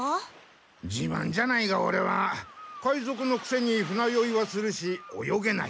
じまんじゃないがオレは海ぞくのくせに船よいはするし泳げない。